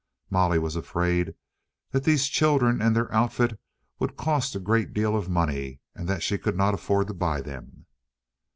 Molly was afraid that these children and their outfit would cost a great deal of money, and that she could not afford to buy them.